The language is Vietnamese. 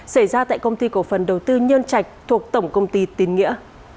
xảy ra tại công ty cổ phần đầu tư nhân trạch thuộc tổng công ty tín nghĩa